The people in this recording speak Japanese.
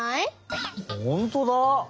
ほんとうだ！